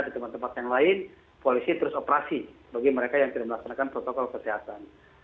di tempat tempat yang lain polisi terus operasi bagi mereka yang tidak melaksanakan protokol kesehatan